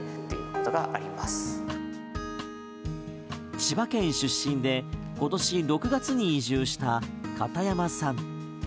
千葉県出身で今年６月に移住した片山さん。